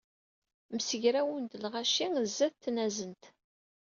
Msegrawen-d lɣaci sdat tnazent.